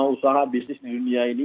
usaha bisnis di dunia ini